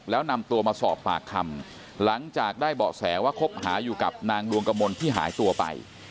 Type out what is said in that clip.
แล้วนำตัวมาสอบปากคำหลังจากได้เบาะแสว่าคบหาอยู่กับนางดวงกมลที่หายตัวไป